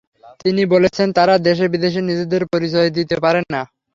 তিনি বলেছেন, তাঁরা দেশে বিদেশে নিজেদের পরিচয় দিতে পারেন না।